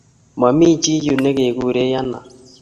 Ma mi chi yu nekegurei Anna.